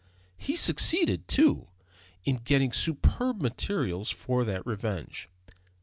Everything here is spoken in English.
He succeeded, too, in getting superb materials for that revenge.